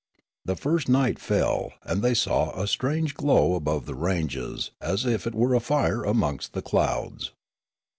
The first night fell, and thej' saw a strange glow above the ranges as if it were a fire amongst the clouds.